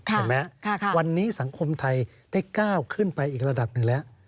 เห็นไหมวันนี้สังคมไทยได้ก้าวขึ้นไปอีกระดับหนึ่งแล้ว